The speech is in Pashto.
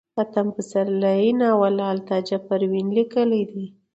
اتم پسرلی ناول لال تاجه پروين ليکلئ دی